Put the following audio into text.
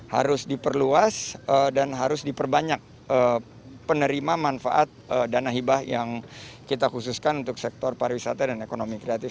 harus diperluas dan harus diperbanyak penerima manfaat dana hibah yang kita khususkan untuk sektor pariwisata dan ekonomi kreatif